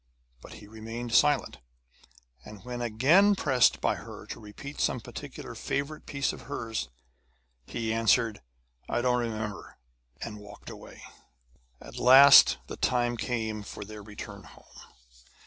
But he remained silent. And when again pressed by her to repeat some particular favourite piece of hers, he answered: 'I don't remember,' and walked away. At last the time came for their return home.